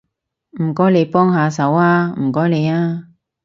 唔該你幫下手吖，唔該你吖